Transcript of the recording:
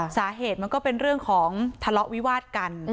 สาเหตุมันก็เป็นเรื่องของทะเลาะวิวาดกัน